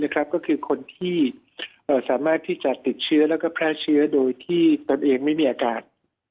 ก็คือคนที่สามารถที่จะติดเชื้อแล้วก็แพร่เชื้อโดยที่ตนเองไม่มีอาการ